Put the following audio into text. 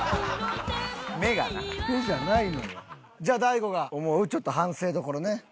じゃあ大悟が思うちょっと反省どころね。